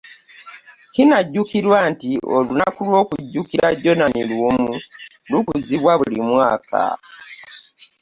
Kinajjukirwa nti olunaku lw'okujjukira Janan Luwum lukuzibwa buli mwaka